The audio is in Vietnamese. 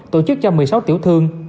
tổ chức cho một mươi sáu tiểu thương